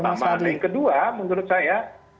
yang pertama yang kedua menurut saya